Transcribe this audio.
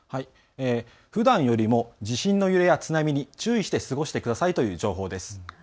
ふだんよりも地震の揺れや津波に注意して過ごしてくださいという情報です。